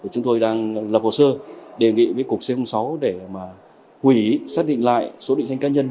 chúng tôi đang lập hồ sơ đề nghị với cục c sáu để mà hủy xác định lại số định danh cá nhân